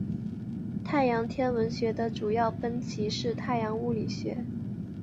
太阳天文学的主要分支是太阳物理学。